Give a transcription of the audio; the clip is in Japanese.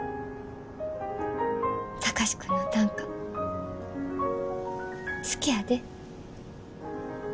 貴司君の短歌好きやで。